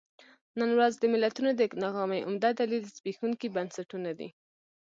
نن ورځ د ملتونو د ناکامۍ عمده دلیل زبېښونکي بنسټونه دي.